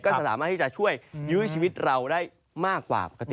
สามารถที่จะช่วยยื้อชีวิตเราได้มากกว่าปกติ